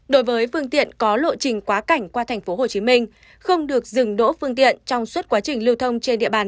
đối với phương tiện có lộ trình quá cảnh qua tp hcm không được dừng đỗ phương tiện trong suốt quá trình lưu thông trên địa bàn